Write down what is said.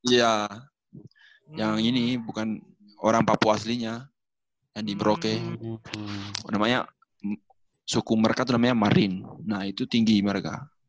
ya yang ini bukan orang papua aslinya yang di beroke namanya suku mereka itu namanya marin nah itu tinggi mereka